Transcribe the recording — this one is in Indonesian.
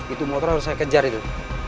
itu motor harus saya kejar itu